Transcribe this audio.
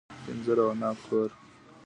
د انځر او عناب کور.